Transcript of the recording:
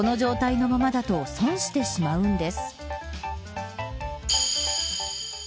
この状態のままだと損してしまうんです。